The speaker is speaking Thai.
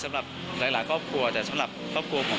สำหรับหลายครอบครัวแต่สำหรับครอบครัวผม